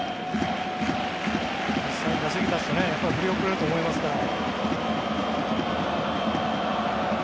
実際に打席に立つと振り遅れると思いますから。